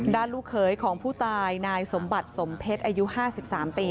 ด้านลูกเขยของผู้ตายนายสมบัติสมเพชรอายุห้าสิบสามปี